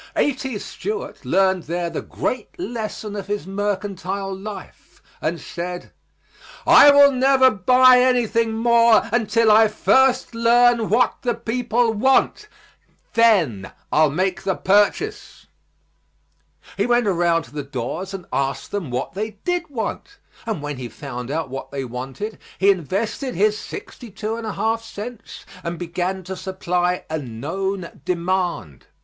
A.T. Stewart learned there the great lesson of his mercantile life and said, "I will never buy anything more until I first learn what the people want; then I'll make the purchase." He went around to the doors and asked them what they did want, and when he found out what they wanted, he invested his sixty two and a half cents and began to supply "a known demand."